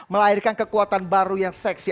melahirkan kekuatan baru yang seksi